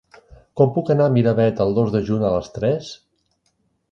Com puc anar a Miravet el dos de juny a les tres?